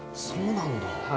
そうなんだ。